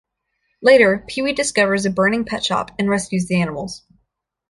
Later, Pee-wee discovers a burning pet shop and rescues the animals.